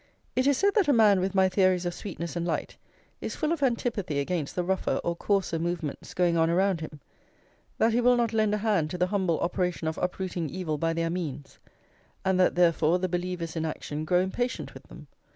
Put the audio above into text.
It is said that a man with my theories of sweetness and light is full of antipathy against the rougher or coarser movements going on around him, that he will not lend a hand to the humble operation of uprooting evil by their means, and that therefore the believers in action grow impatient with them.